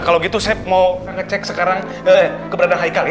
kalau gitu saya mau ngecek sekarang keberadaan haikal ya